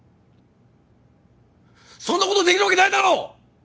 そんなことできるわけないだろっ！